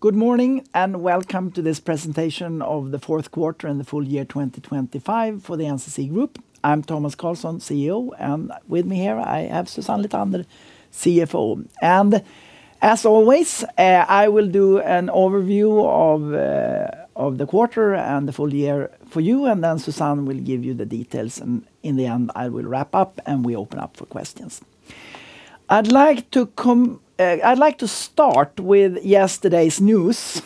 Good morning and welcome to this presentation of the fourth quarter and the full year 2025 for the NCC Group. I'm Tomas Carlsson, CEO, and with me here I have Susanne Lithander, CFO. As always, I will do an overview of the quarter and the full year for you, and then Susanne will give you the details, and in the end I will wrap up and we open up for questions. I'd like to start with yesterday's news.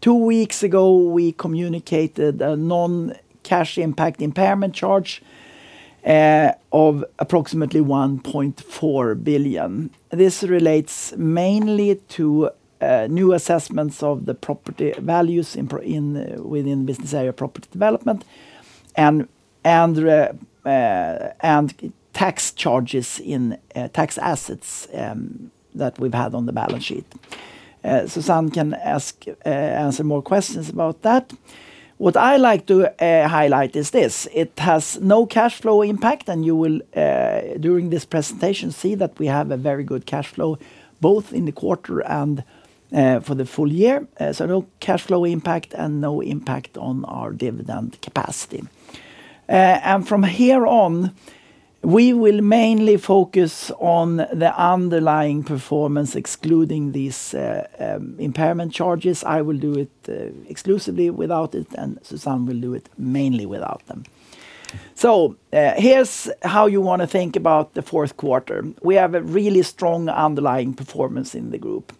Two weeks ago we communicated a non-cash impact impairment charge of approximately 1.4 billion. This relates mainly to new assessments of the property values within Business Area Property Development and tax charges in tax assets that we've had on the balance sheet. Susanne can answer more questions about that. What I'd like to highlight is this: it has no cash flow impact, and you will during this presentation see that we have a very good cash flow both in the quarter and for the full year. So no cash flow impact and no impact on our dividend capacity. And from here on we will mainly focus on the underlying performance excluding these impairment charges. I will do it exclusively without it, and Susanne will do it mainly without them. So here's how you want to think about the fourth quarter. We have a really strong underlying performance in the group.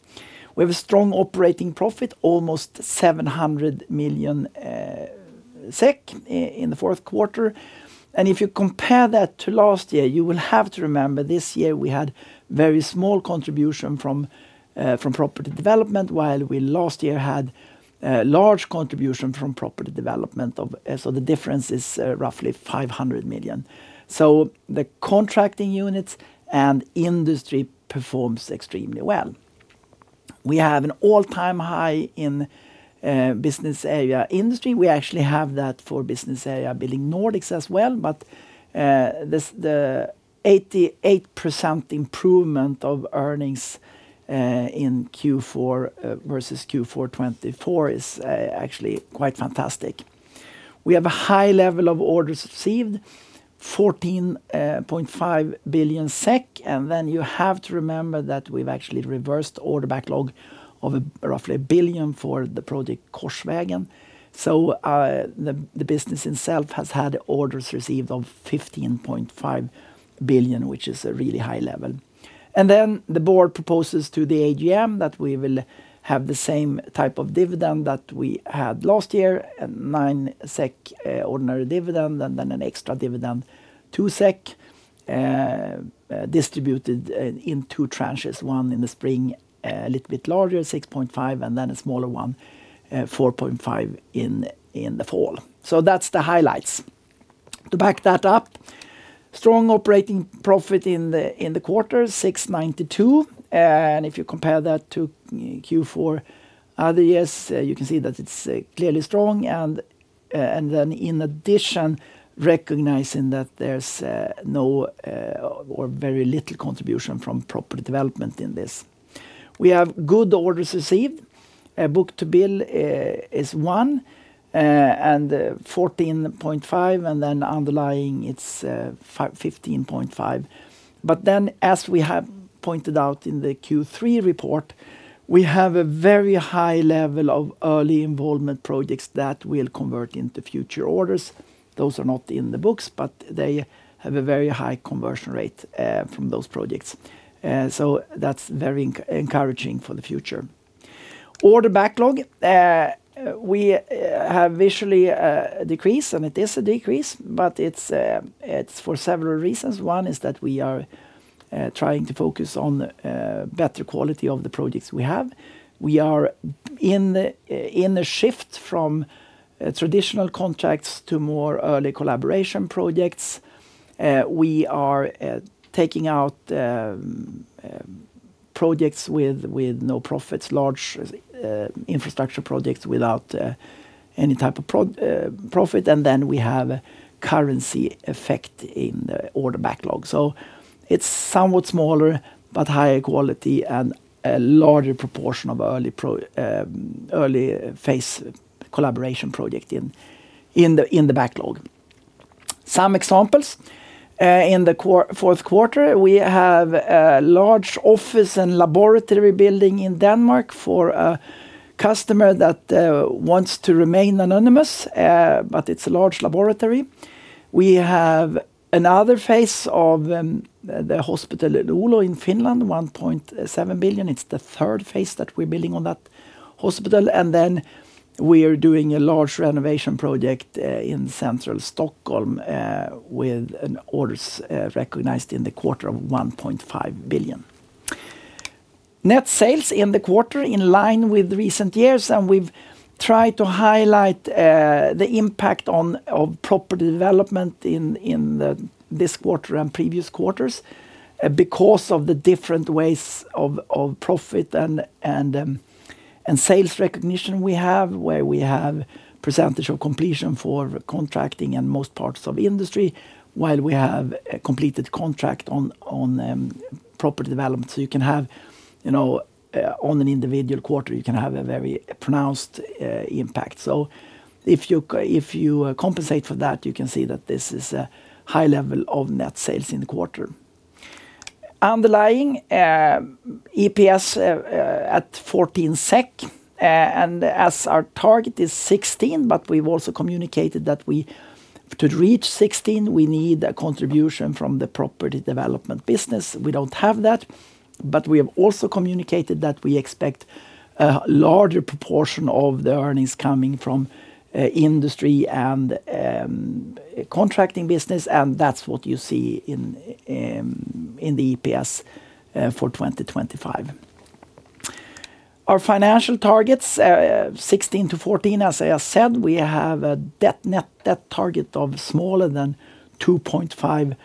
We have a strong operating profit, almost 700 million SEK, in the fourth quarter. If you compare that to last year you will have to remember this year we had very small contribution from Property Development, while we last year had a large contribution from Property Development, so the difference is roughly 500 million. So the contracting units and Industry performs extremely well. We have an all-time high in Business Area Industry. We actually have that for Business Area Building Nordics as well, but the 88% improvement of earnings in Q4 versus Q4 2024 is actually quite fantastic. We have a high level of orders received, 14.5 billion SEK, and then you have to remember that we've actually reversed order backlog of roughly 1 billion for the project Korsvägen. So the business itself has had orders received of 15.5 billion, which is a really high level. And then the board proposes to the AGM that we will have the same type of dividend that we had last year, a 9 SEK ordinary dividend and then an extra dividend, 2 SEK, distributed in two tranches. One in the spring, a little bit larger, 6.5, and then a smaller one, 4.5 in the fall. So that's the highlights. To back that up: strong operating profit in the quarter, 692, and if you compare that to Q4 other years you can see that it's clearly strong. And then in addition recognizing that there's no or very little contribution from Property Development in this. We have good orders received. Book-to-bill is 1 and 1.45, and then underlying it's 1.55. But then as we have pointed out in the Q3 report we have a very high level of early involvement projects that will convert into future orders. Those are not in the books, but they have a very high conversion rate from those projects. So that's very encouraging for the future. Order backlog: we have visually a decrease, and it is a decrease, but it's for several reasons. One is that we are trying to focus on better quality of the projects we have. We are in a shift from traditional contracts to more early collaboration projects. We are taking out projects with no profits, large Infrastructure projects without any type of profit, and then we have a currency effect in the order backlog. So it's somewhat smaller but higher quality and a larger proportion of early phase collaboration projects in the backlog. Some examples: in the fourth quarter we have a large office and laboratory building in Denmark for a customer that wants to remain anonymous, but it's a large laboratory. We have another phase of the hospital in Oulu in Finland, 1.7 billion. It's the third phase that we're building on that hospital. And then we're doing a large renovation project in central Stockholm with orders recognized in the quarter of 1.5 billion. Net sales in the quarter in line with recent years, and we've tried to highlight the impact of Property Development in this quarter and previous quarters because of the different ways of profit and sales recognition we have, where we have percentage of completion for contracting and most parts of Industry, while we have completed contract on Property Development. So you can have, on an individual quarter you can have a very pronounced impact. So if you compensate for that you can see that this is a high level of net sales in the quarter. Underlying: EPS at 14 SEK, and as our target is 16, but we've also communicated that to reach 16 we need a contribution from the Property Development business. We don't have that, but we have also communicated that we expect a larger proportion of the earnings coming from Industry and contracting business, and that's what you see in the EPS for 2025. Our financial targets: 16 to 14, as I said. We have a net debt target of smaller than 2.5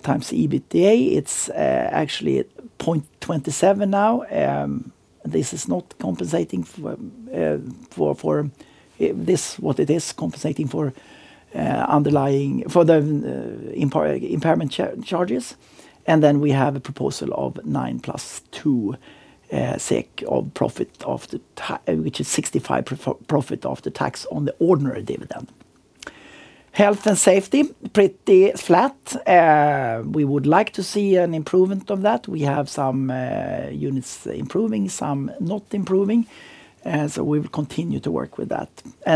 times EBITDA. It's actually 0.27 now. This is not compensating for what it is compensating for underlying for the impairment charges. And then we have a proposal of 9 plus 2 SEK of profit, which is 65 profit after tax on the ordinary dividend. Health and safety: pretty flat. We would like to see an improvement of that. We have some units improving, some not improving, so we will continue to work with that.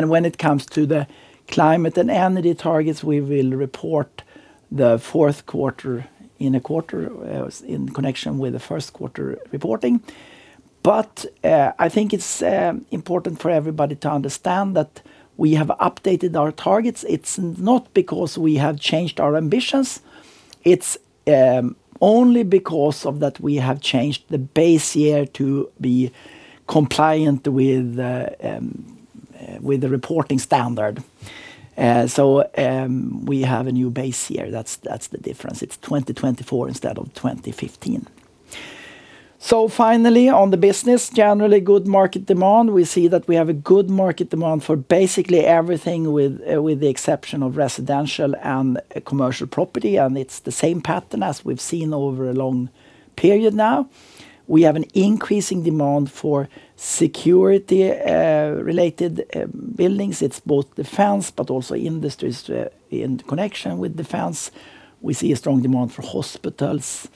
When it comes to the climate and energy targets we will report the fourth quarter in a quarter in connection with the first quarter reporting. I think it's important for everybody to understand that we have updated our targets. It's not because we have changed our ambitions. It's only because of that we have changed the base year to be compliant with the reporting standard. We have a new base year. That's the difference. It's 2024 instead of 2015. Finally on the business: generally good market demand. We see that we have a good market demand for basically everything with the exception of residential and commercial property, and it's the same pattern as we've seen over a long period now. We have an increasing demand for security-related buildings. It's both defense but also industries in connection with defense. We see a strong demand for hospitals,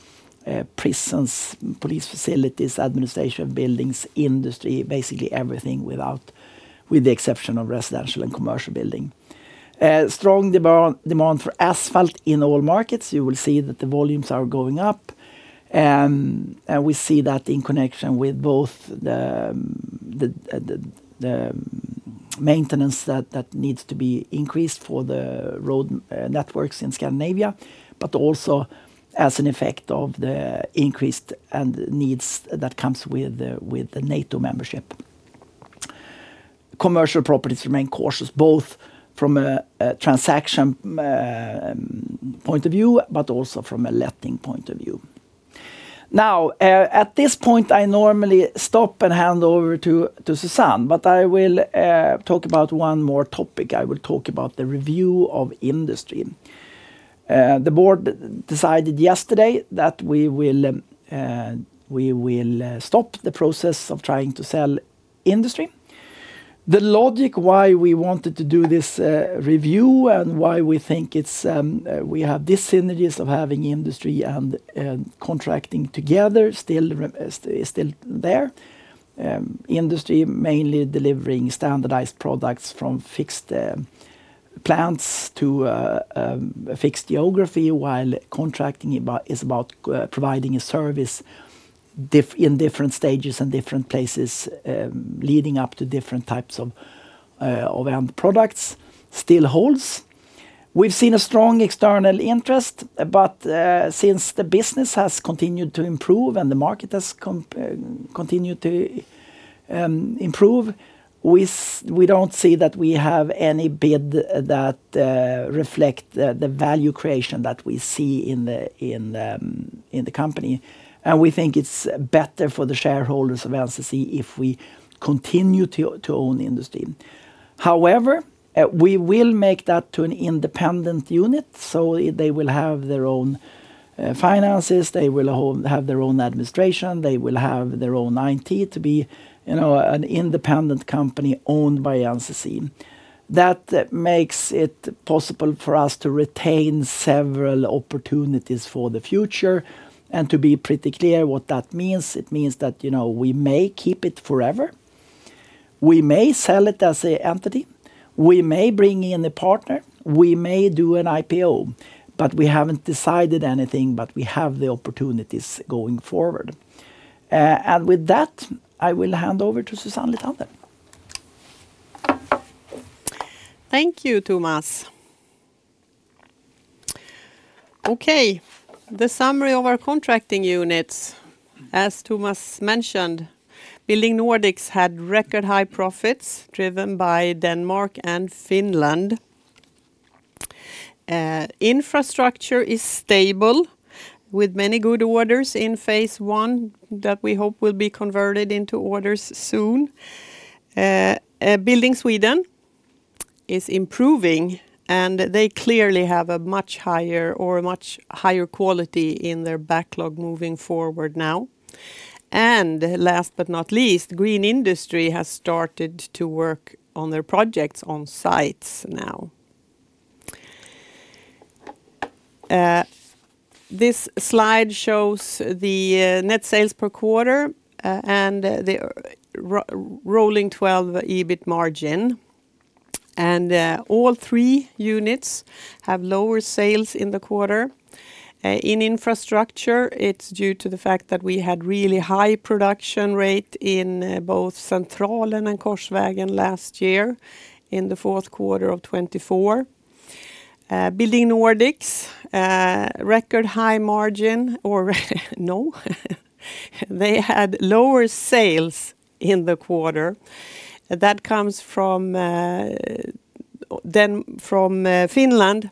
prisons, police facilities, administration of buildings, Industry, basically everything with the exception of residential and commercial building. Strong demand for asphalt in all markets. You will see that the volumes are going up, and we see that in connection with both the maintenance that needs to be increased for the road networks in Scandinavia, but also as an effect of the increased needs that comes with NATO membership. Commercial properties remain cautious, both from a transaction point of view but also from a letting point of view. Now, at this point I normally stop and hand over to Susanne, but I will talk about one more topic. I will talk about the review of Industry. The board decided yesterday that we will stop the process of trying to sell Industry. The logic why we wanted to do this review and why we think we have these synergies of having Industry and contracting together is still there. Industry mainly delivering standardized products from fixed plants to fixed geography, while contracting is about providing a service in different stages and different places leading up to different types of end products still holds. We've seen a strong external interest, but since the business has continued to improve and the market has continued to improve we don't see that we have any bid that reflects the value creation that we see in the company. We think it's better for the shareholders of NCC if we continue to own Industry. However, we will make that to an independent unit, so they will have their own finances, they will have their own administration, they will have their own IT to be an independent company owned by NCC. That makes it possible for us to retain several opportunities for the future, and to be pretty clear what that means: it means that we may keep it forever, we may sell it as an entity, we may bring in a partner, we may do an IPO, but we haven't decided anything, but we have the opportunities going forward. And with that I will hand over to Susanne Lithander. Thank you, Tomas. OK, the summary of our contracting units: as Tomas mentioned, Building Nordics had record high profits driven by Denmark and Finland. Infrastructure is stable with many good orders in phase one that we hope will be converted into orders soon. Building Sweden is improving, and they clearly have a much higher or much higher quality in their backlog moving forward now. Last but not least, Green Industry has started to work on their projects on sites now. This slide shows the net sales per quarter and the rolling 12 EBIT margin. All three units have lower sales in the quarter. In Infrastructure it's due to the fact that we had really high production rate in both Centralen and Korsvägen last year in the fourth quarter of 2024. Building Nordics: record high margin, or no, they had lower sales in the quarter. That comes from Finland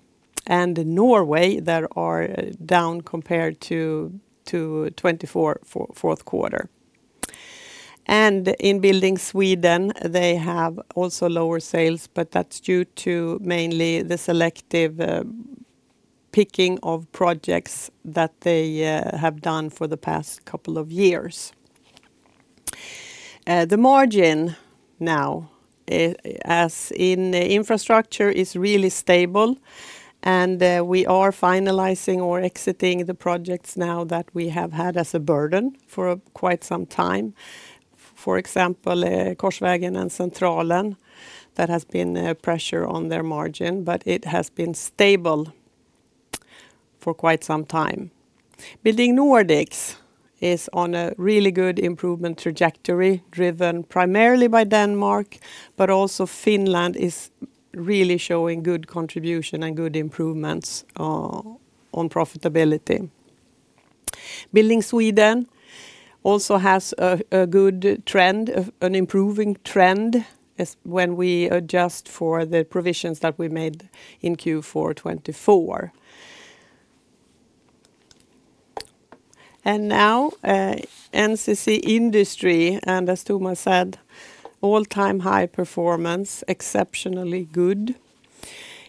and Norway that are down compared to 2024 fourth quarter. In Building Sweden they have also lower sales, but that's due to mainly the selective picking of projects that they have done for the past couple of years. The margin now, as in infrastructure, is really stable, and we are finalizing or exiting the projects now that we have had as a burden for quite some time. For example, Korsvägen and Centralen: that has been pressure on their margin, but it has been stable for quite some time. Building Nordics is on a really good improvement trajectory driven primarily by Denmark, but also Finland is really showing good contribution and good improvements on profitability. Building Sweden also has a good trend, an improving trend when we adjust for the provisions that we made in Q4 2024. And now NCC Industry, and as Tomas said, all-time high performance, exceptionally good.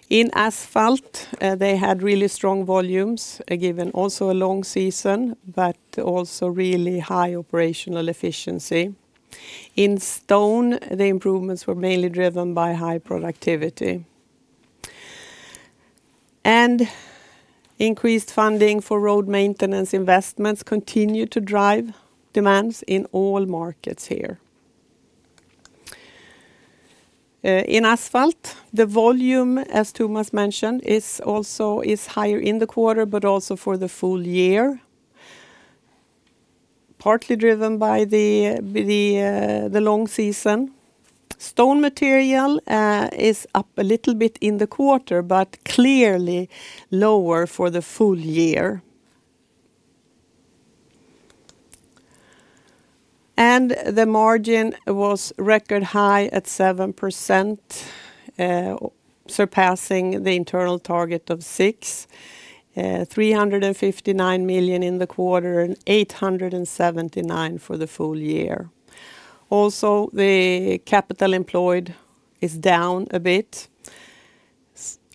In asphalt they had really strong volumes given also a long season, but also really high operational efficiency. In stone the improvements were mainly driven by high productivity. Increased funding for road maintenance investments continues to drive demands in all markets here. In asphalt the volume, as Tomas mentioned, is also higher in the quarter but also for the full year, partly driven by the long season. Stone material is up a little bit in the quarter but clearly lower for the full year. And the margin was record high at 7%, surpassing the internal target of 6%, 359 million in the quarter and 879 million for the full year. Also the capital employed is down a bit,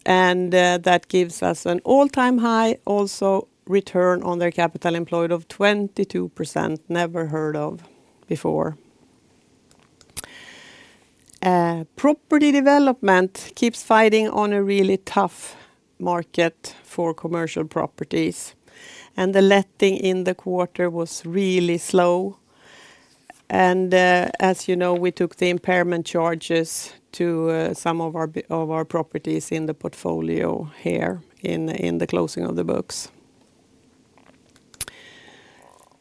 and that gives us an all-time high also return on their capital employed of 22%, never heard of before. Property Development keeps fighting on a really tough market for commercial properties, and the letting in the quarter was really slow. And as you know we took the impairment charges to some of our properties in the portfolio here in the closing of the books.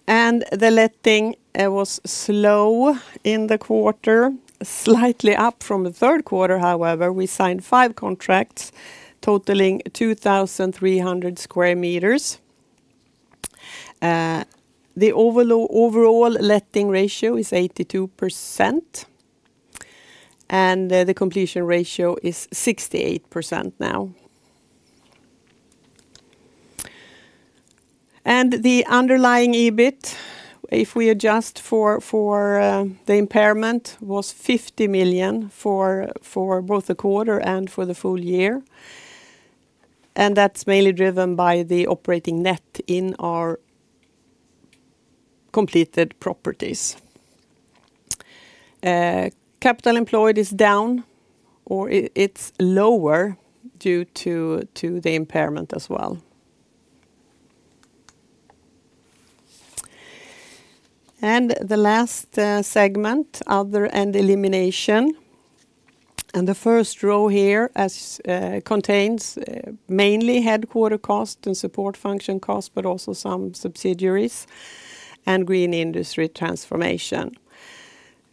The letting was slow in the quarter, slightly up from the third quarter however. We signed 5 contracts totaling 2,300 square meters. The overall letting ratio is 82%, and the completion ratio is 68% now. The underlying EBIT, if we adjust for the impairment, was 50 million for both the quarter and for the full year. That's mainly driven by the operating net in our completed properties. Capital employed is down, or it's lower due to the impairment as well. The last segment: Other and Elimination. The first row here contains mainly headquarter cost and support function costs but also some subsidiaries and Green Industry Transformation.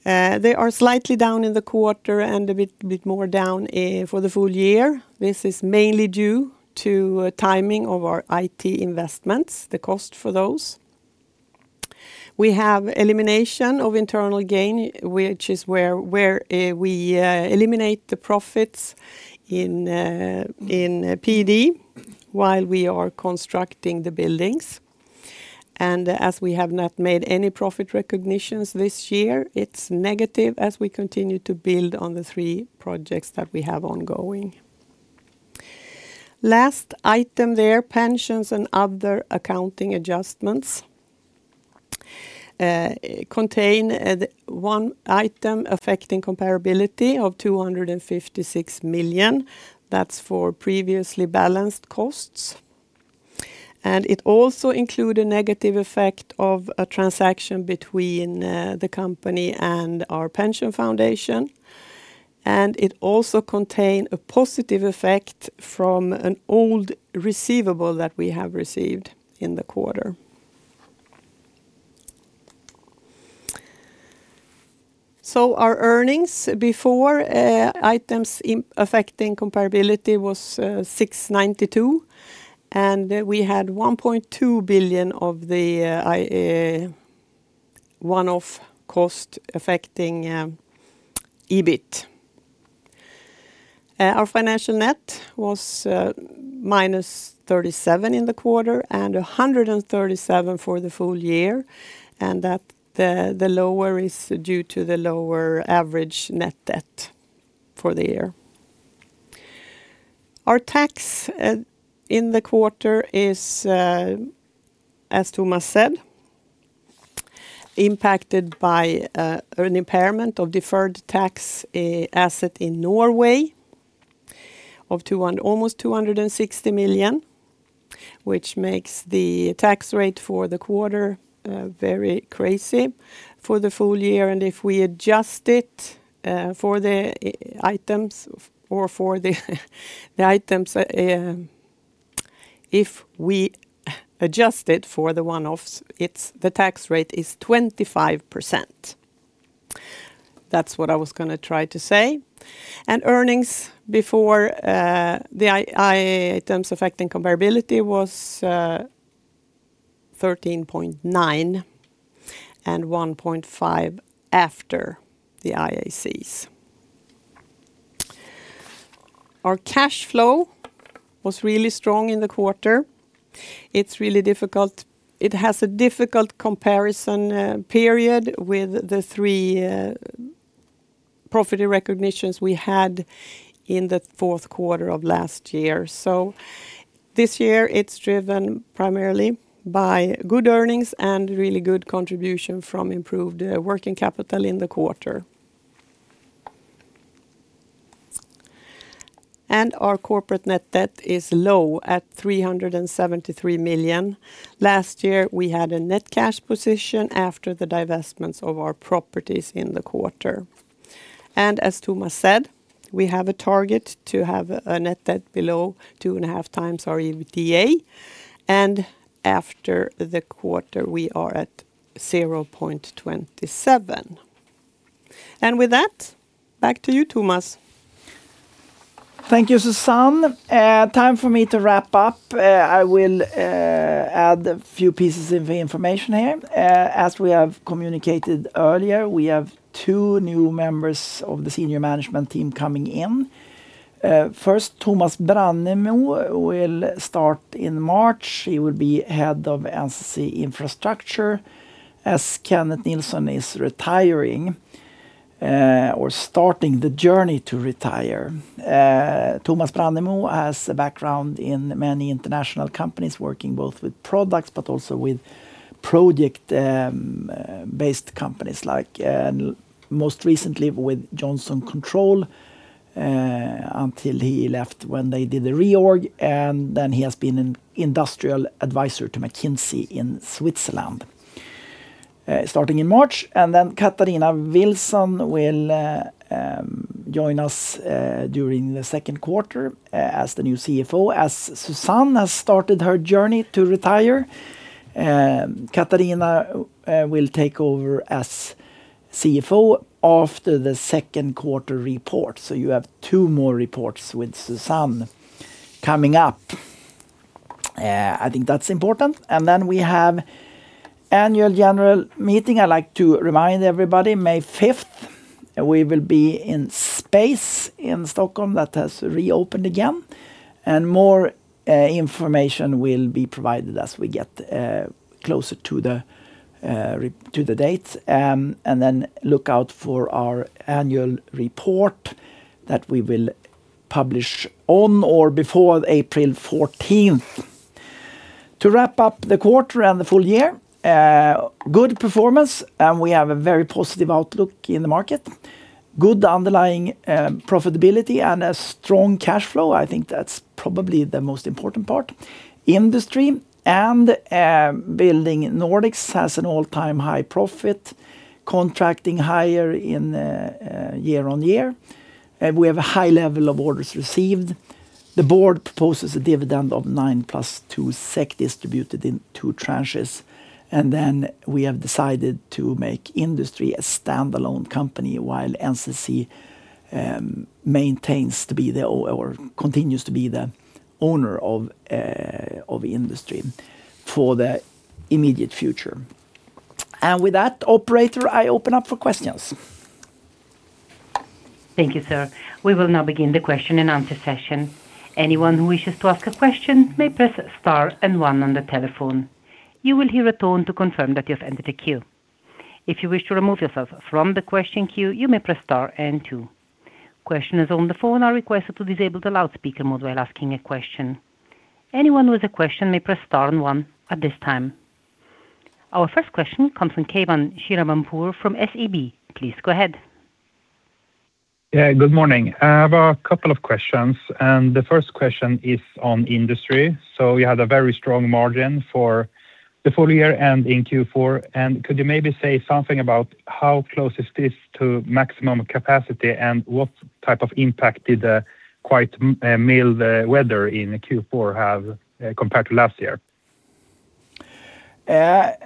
They are slightly down in the quarter and a bit more down for the full year. This is mainly due to timing of our IT investments, the cost for those. We have elimination of internal gain, which is where we eliminate the profits in PD while we are constructing the buildings. And as we have not made any profit recognitions this year it's negative as we continue to build on the three projects that we have ongoing. Last item there: pensions and other accounting adjustments. Contains one item affecting comparability of 256 million. That's for previously balanced costs. And it also included a negative effect of a transaction between the company and our pension foundation. And it also contained a positive effect from an old receivable that we have received in the quarter. So our earnings before items affecting comparability was 692, and we had 1.2 billion of the one-off cost affecting EBIT. Our financial net was minus 37 in the quarter and 137 for the full year. And the lower is due to the lower average net debt for the year. Our tax in the quarter is, as Tomas said, impacted by an impairment of deferred tax asset in Norway of almost 260 million, which makes the tax rate for the quarter very crazy for the full year. And if we adjust it for the items or for the items if we adjust it for the one-offs the tax rate is 25%. That's what I was going to try to say. And earnings before the items affecting comparability was 13.9 and 1.5 after the IACs. Our cash flow was really strong in the quarter. It's really difficult. It has a difficult comparison period with the three profit recognitions we had in the fourth quarter of last year. So this year it's driven primarily by good earnings and really good contribution from improved working capital in the quarter. Our corporate net debt is low at 373 million. Last year we had a net cash position after the divestments of our properties in the quarter. As Tomas said, we have a target to have a net debt below 2.5 times our EBITDA, and after the quarter we are at 0.27. With that back to you, Tomas. Thank you, Susanne. Time for me to wrap up. I will add a few pieces of information here. As we have communicated earlier we have two new members of the senior management team coming in. First, Tomas Brannemo will start in March. He will be head of NCC Infrastructure as Kenneth Nilsson is retiring or starting the journey to retire. Tomas Brannemo has a background in many international companies working both with products but also with project-based companies like most recently with Johnson Controls until he left when they did the reorg, and then he has been an industrial advisor to McKinsey in Switzerland starting in March. And then Catarina Wilson will join us during the second quarter as the new CFO. As Susanne has started her journey to retire, Catarina will take over as CFO after the second quarter report. So you have two more reports with Susanne coming up. I think that's important. And then we have annual general meeting. I like to remind everybody, May 5th we will be in Space in Stockholm that has reopened again, and more information will be provided as we get closer to the dates. Then look out for our annual report that we will publish on or before April 14th. To wrap up the quarter and the full year: good performance, and we have a very positive outlook in the market, good underlying profitability, and a strong cash flow. I think that's probably the most important part. Industry and Building Nordics has an all-time high profit, contracting higher year-on-year. We have a high level of orders received. The board proposes a dividend of 9 + 2 distributed in two tranches, and then we have decided to make industry a standalone company while NCC maintains to be the or continues to be the owner of industry for the immediate future. And with that, operator, I open up for questions. Thank you, sir. We will now begin the question and answer session. Anyone who wishes to ask a question may press star and one on the telephone. You will hear a tone to confirm that you have entered a queue. If you wish to remove yourself from the question queue you may press star and two. Questioners on the phone are requested to disable the loudspeaker mode while asking a question. Anyone with a question may press star and one at this time. Our first question comes from Keivan Shirvanpour from SEB. Please go ahead. Good morning. I have a couple of questions, and the first question is on industry. So you had a very strong margin for the full year and in Q4, and could you maybe say something about how close is this to maximum capacity and what type of impact did the quite mild weather in Q4 have compared to last year? Yes,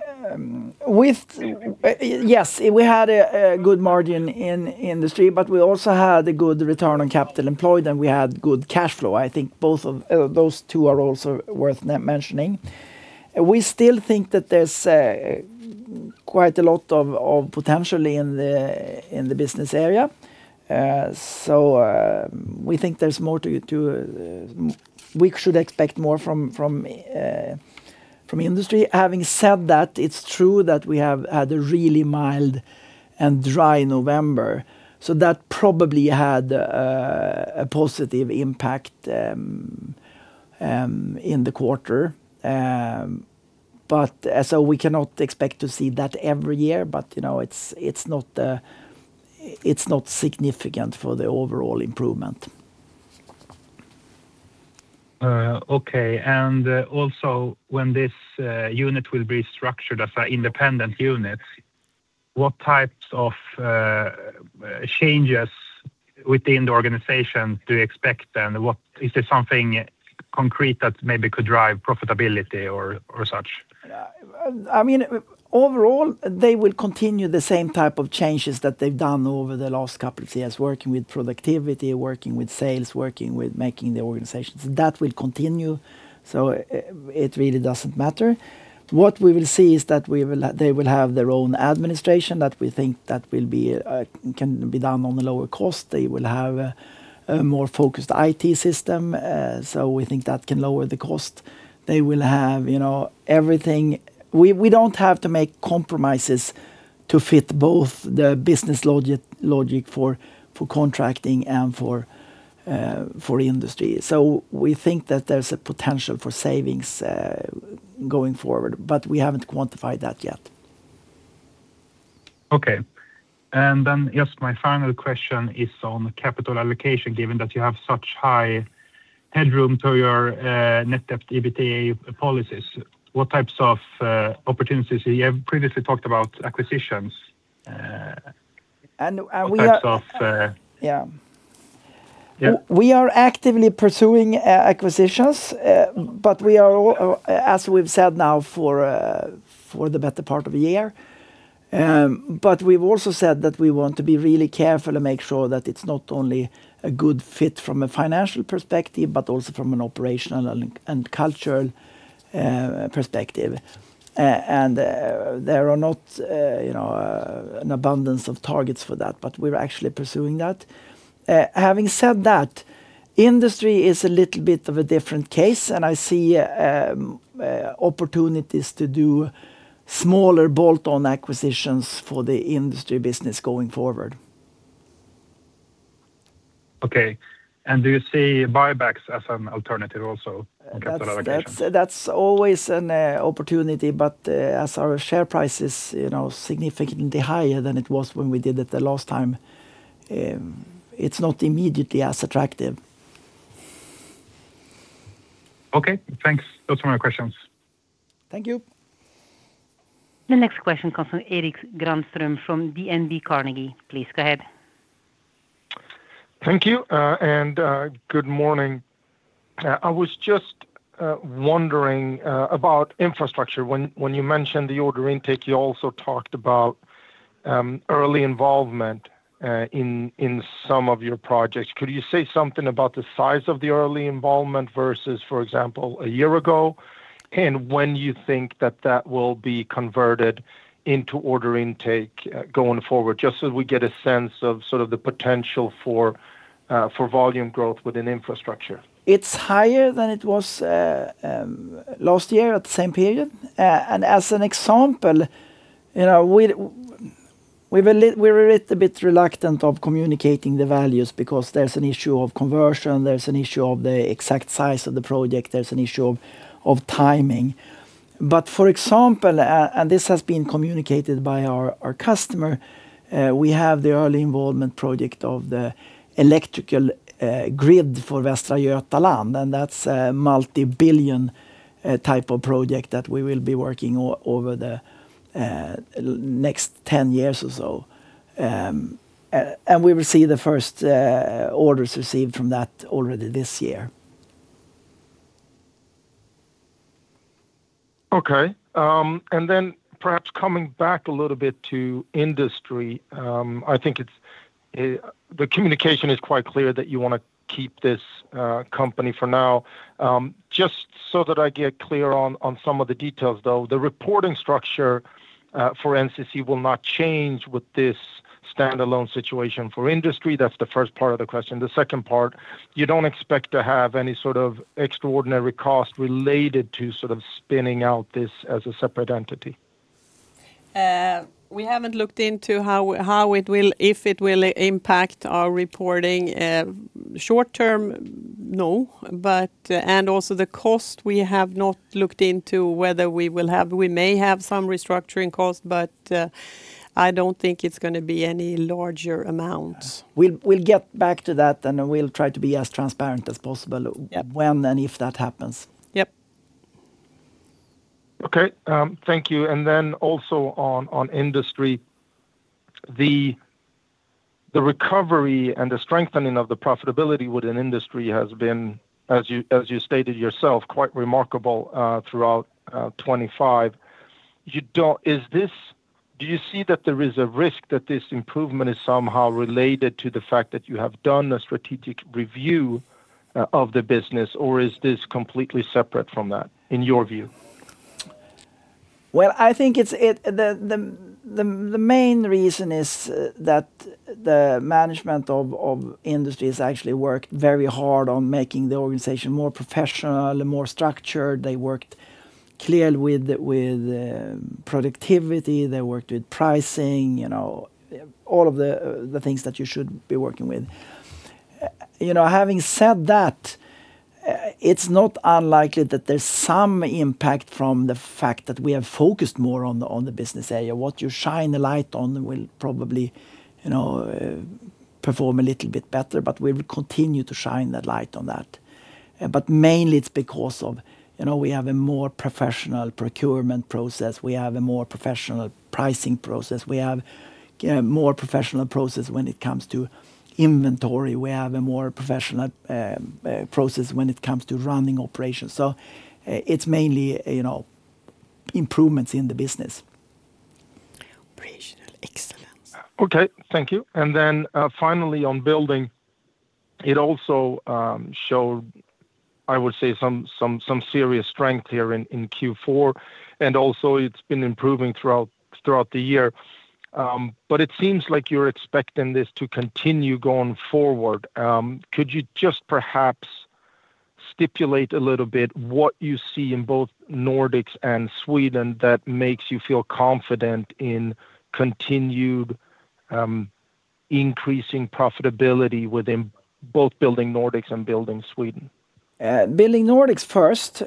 we had a good margin in industry, but we also had a good return on capital employed, and we had good cash flow. I think both of those two are also worth mentioning. We still think that there's quite a lot of potential in the business area, so we think there's more to we should expect more from industry. Having said that, it's true that we have had a really mild and dry November, so that probably had a positive impact in the quarter. So we cannot expect to see that every year, but it's not significant for the overall improvement. Okay. And also when this unit will be structured as an independent unit, what types of changes within the organization do you expect then? Is there something concrete that maybe could drive profitability or such? I mean, overall they will continue the same type of changes that they've done over the last couple of years: working with productivity, working with sales, working with making the organization, that will continue, so it really doesn't matter. What we will see is that they will have their own administration that we think that can be done on a lower cost. They will have a more focused IT system, so we think that can lower the cost. They will have everything. We don't have to make compromises to fit both the business logic for contracting and for industry. So we think that there's a potential for savings going forward, but we haven't quantified that yet. Okay. And then yes, my final question is on capital allocation given that you have such high headroom to your net debt EBITDA policies. What types of opportunities do you have? Previously talked about acquisitions. Yeah. We are actively pursuing acquisitions, but we are, as we've said now, for the better part of a year. But we've also said that we want to be really careful and make sure that it's not only a good fit from a financial perspective but also from an operational and cultural perspective. And there are not an abundance of targets for that, but we're actually pursuing that. Having said that, industry is a little bit of a different case, and I see opportunities to do smaller bolt-on acquisitions for the industry business going forward. Okay. And do you see buybacks as an alternative also in capital allocation? Yes. That's always an opportunity, but as our share price is significantly higher than it was when we did it the last time, it's not immediately as attractive. Okay. Thanks. Those are my questions. Thank you. The next question comes from Erik Granström from DNB Carnegie. Please go ahead. Thank you and good morning. I was just wondering about infrastructure. When you mentioned the order intake, you also talked about early involvement in some of your projects. Could you say something about the size of the early involvement versus, for example, a year ago, and when you think that that will be converted into order intake going forward just so we get a sense of sort of the potential for volume growth within infrastructure? It's higher than it was last year at the same period. As an example, we're a little bit reluctant of communicating the values because there's an issue of conversion, there's an issue of the exact size of the project, there's an issue of timing. But for example, and this has been communicated by our customer, we have the early involvement project of the electrical grid for Västra Götaland, and that's a multi-billion SEK type of project that we will be working over the next 10 years or so. And we will see the first orders received from that already this year. Okay. And then perhaps coming back a little bit to industry, I think the communication is quite clear that you want to keep this company for now. Just so that I get clear on some of the details, though, the reporting structure for NCC will not change with this standalone situation for industry. That's the first part of the question. The second part, you don't expect to have any sort of extraordinary cost related to sort of spinning out this as a separate entity? We haven't looked into how it will if it will impact our reporting. Short term, no. And also the cost, we have not looked into whether we will have we may have some restructuring cost, but I don't think it's going to be any larger amounts. We'll get back to that, and we'll try to be as transparent as possible when and if that happens. Yep. Okay. Thank you. Then also on industry, the recovery and the strengthening of the profitability within industry has been, as you stated yourself, quite remarkable throughout 2025. Do you see that there is a risk that this improvement is somehow related to the fact that you have done a strategic review of the business, or is this completely separate from that in your view? Well, I think the main reason is that the management of industry has actually worked very hard on making the organization more professional, more structured. They worked clearly with productivity. They worked with pricing, all of the things that you should be working with. Having said that, it's not unlikely that there's some impact from the fact that we have focused more on the business area. What you shine a light on will probably perform a little bit better, but we'll continue to shine that light on that. But mainly it's because of we have a more professional procurement process, we have a more professional pricing process, we have a more professional process when it comes to inventory, we have a more professional process when it comes to running operations. So it's mainly improvements in the business. Operational excellence. Okay. Thank you. And then finally on building, it also showed, I would say, some serious strength here in Q4, and also it's been improving throughout the year. But it seems like you're expecting this to continue going forward. Could you just perhaps stipulate a little bit what you see in both Nordics and Sweden that makes you feel confident in continued increasing profitability within both building Nordics and building Sweden? Building Nordics first.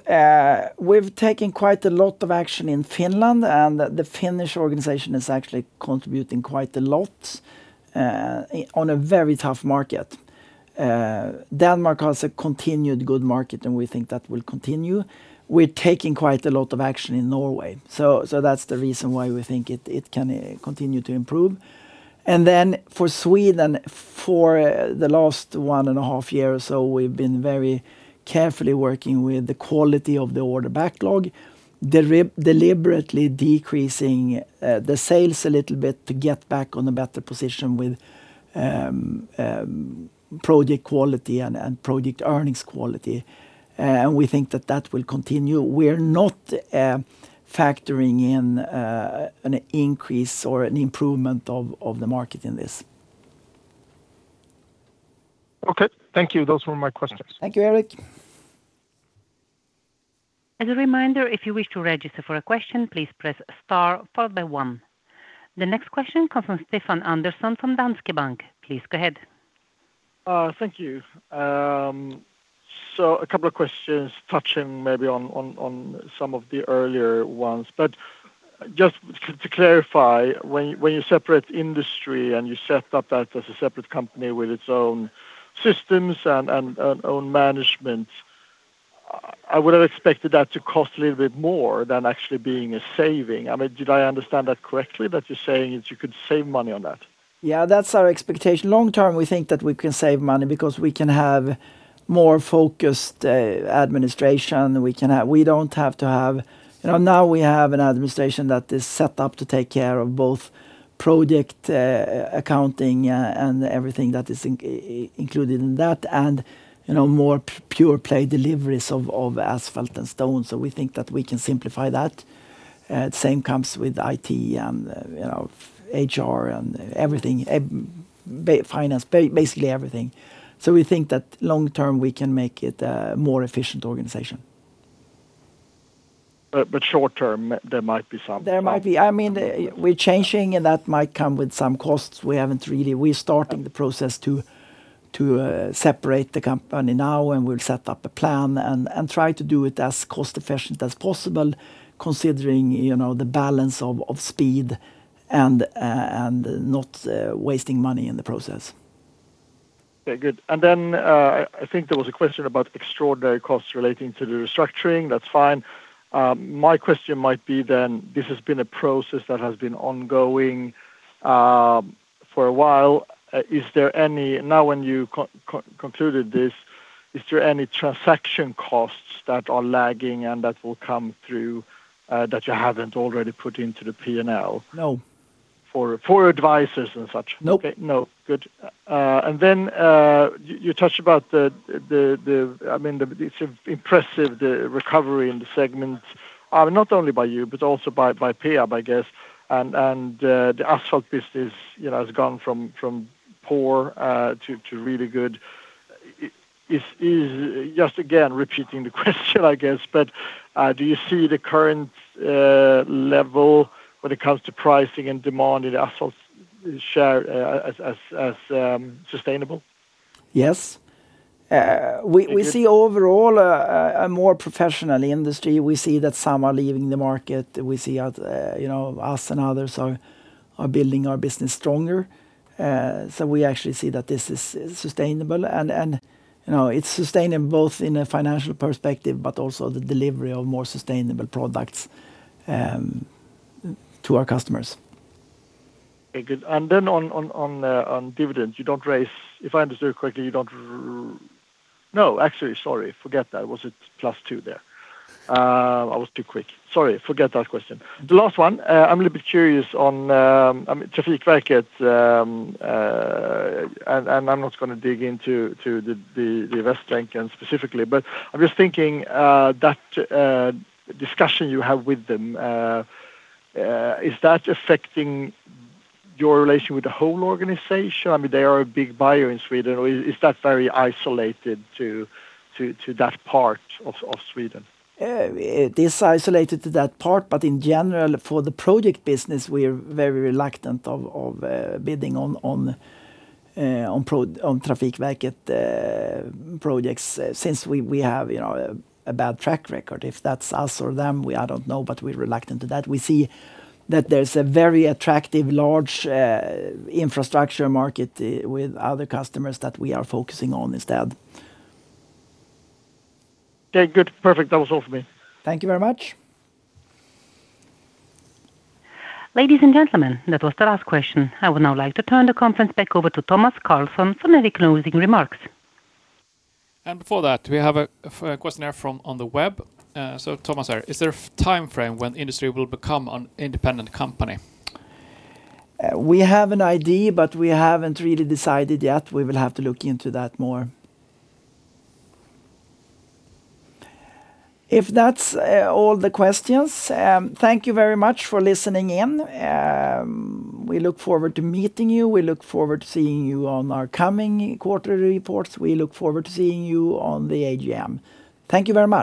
We've taken quite a lot of action in Finland, and the Finnish organisation is actually contributing quite a lot on a very tough market. Denmark has a continued good market, and we think that will continue. We're taking quite a lot of action in Norway, so that's the reason why we think it can continue to improve. And then for Sweden, for the last one and a half year or so, we've been very carefully working with the quality of the order backlog, deliberately decreasing the sales a little bit to get back on a better position with project quality and project earnings quality, and we think that that will continue. We're not factoring in an increase or an improvement of the market in this. Okay. Thank you. Those were my questions. Thank you, Erik. As a reminder, if you wish to register for a question, please press star followed by one. The next question comes from Stefan Andersson from Danske Bank. Please go ahead. Thank you. So a couple of questions touching maybe on some of the earlier ones. But just to clarify, when you separate industry and you set up that as a separate company with its own systems and own management, I would have expected that to cost a little bit more than actually being a saving. I mean, did I understand that correctly, that you're saying you could save money on that? Yeah, that's our expectation. Long term, we think that we can save money because we can have more focused administration. We don't have to have now. We have an administration that is set up to take care of both project accounting and everything that is included in that and more pure-play deliveries of asphalt and stone. So we think that we can simplify that. The same comes with IT and HR and everything, finance, basically everything. So we think that long term we can make it a more efficient organization. But short term, there might be something? There might be. I mean, we're changing, and that might come with some costs. We haven't really. We're starting the process to separate the company now, and we'll set up a plan and try to do it as cost-efficient as possible considering the balance of speed and not wasting money in the process. Okay. Good. And then I think there was a question about extraordinary costs relating to the restructuring. That's fine. My question might be then, this has been a process that has been ongoing for a while. Is there any now when you concluded this, is there any transaction costs that are lagging and that will come through that you haven't already put into the P&L? No. For advisors and such? No. Okay. No. Good. And then you touched about the, I mean, it's impressive, the recovery in the segments, not only by you but also by Peab, I guess, and the asphalt business has gone from poor to really good. Just again, repeating the question, I guess, but do you see the current level when it comes to pricing and demand in the asphalt share as sustainable? Yes. We see overall a more professional industry. We see that some are leaving the market. We see that us and others are building our business stronger. So we actually see that this is sustainable, and it's sustainable both in a financial perspective but also the delivery of more sustainable products to our customers. Okay. Good. And then on dividends, you don't raise if I understood correctly, you don't no, actually, sorry, forget that. Was it plus two there? I was too quick. Sorry, forget that question. The last one, I'm a little bit curious on Trafikverket, and I'm not going to dig into the Västlänken specifically, but I'm just thinking that discussion you have with them, is that affecting your relation with the whole organization? I mean, they are a big buyer in Sweden, or is that very isolated to that part of Sweden? It is isolated to that part, but in general, for the project business, we're very reluctant of bidding on Trafikverket projects since we have a bad track record. If that's us or them, I don't know, but we're reluctant to that. We see that there's a very attractive, large infrastructure market with other customers that we are focusing on instead. Okay. Good. Perfect. That was all from me. Thank you very much. Ladies and gentlemen, that was the last question. I would now like to turn the conference back over to Tomas Carlsson for many closing remarks. And before that, we have a questionnaire on the web. So, Thomas there, is there a timeframe when industry will become an independent company? We have an idea, but we haven't really decided yet. We will have to look into that more. If that's all the questions, thank you very much for listening in. We look forward to meeting you. We look forward to seeing you on our coming quarterly reports. We look forward to seeing you on the AGM. Thank you very much.